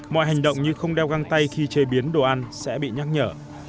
mọi hành động như không đeo găng tay khi chế biến đồ ăn sẽ bị nhắc nhở